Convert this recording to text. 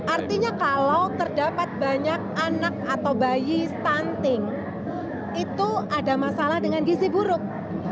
artinya kalau terdapat banyak anak atau bayi stunting itu ada masalah dengan gizi buruk